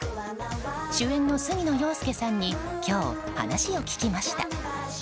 主演の杉野遥亮さんに今日、話を聞きました。